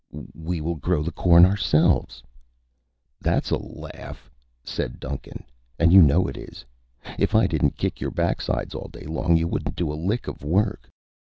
"We will grow the corn ourselves." "That's a laugh," said Duncan, "and you know it is. If I didn't kick your backsides all day long, you wouldn't do a lick of work.